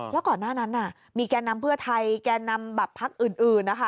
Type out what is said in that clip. แล้วก่อนหน้านั้นมีแก่นำเพื่อไทยแก่นำแบบพักอื่นนะคะ